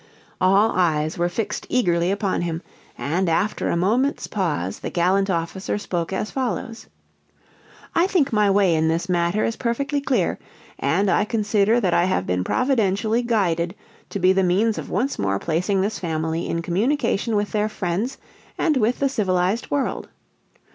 All eyes were fixed eagerly upon him, and after a moment's pause the gallant officer spoke as follows: "I think my way in this matter is perfectly clear, and I consider that I have been providentially guided to be the means of once more placing this family in communication with their friends and with the civilized world.